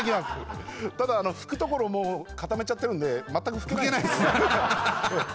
ただあの吹くところもう固めちゃってるんで全く吹けないです。